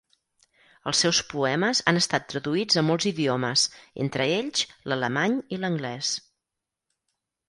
Els seus poemes han estat traduïts a molts idiomes, entre ells l'alemany i l'anglès.